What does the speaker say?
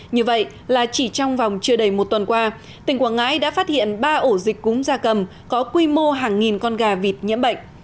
như vậy là chỉ trong vòng chưa đầy một tuần qua tỉnh quảng ngãi đã phát hiện ba ổ dịch cúm da cầm có quy mô hàng nghìn con gà vịt nhiễm bệnh